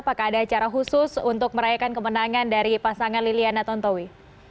apakah ada acara khusus untuk merayakan kemenangan dari pasangan liliana tontowi